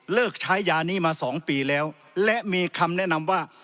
ใช้ยานี้มา๒ปีแล้วและมีคำแนะนำว่า